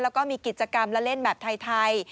แล้วก็มีกิจกรรมและเล่นแบบไทย